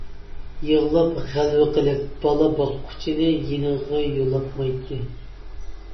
يىغلاپ، غەلۋە قىلىپ، بالا باققۇچىنى يېنىغا يولاتمايتتى.